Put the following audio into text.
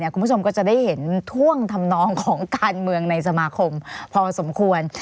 คุณผู้ชมก็จะได้เห็นท่วงทำนองของการเมืองในสมาคมพอสมควร